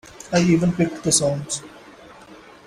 I even picked the songs.